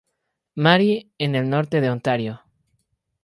Marie en el Norte de Ontario.